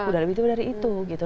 udah lebih tua dari itu